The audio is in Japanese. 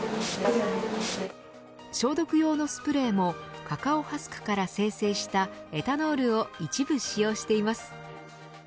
消毒用のスプレーもカカオハスクから精製したエタノールを一部使用しています。